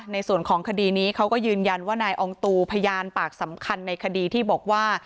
ในส่วนของคดีนี้เขาก็ยืนยันว่านายอองตูพยานปากสำคัญในคดีที่บอกว่า